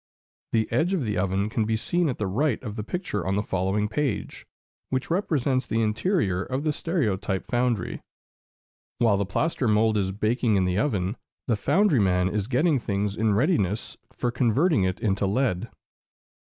The edge of the oven can be seen at the right of the picture on the following page, which represents the interior of the Stereotype Foundery. [Illustration: Moulding in Plaster.] While the plaster mould is baking in the oven, the foundery man is getting things in readiness for converting it into lead.